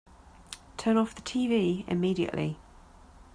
Turn off the tv immediately!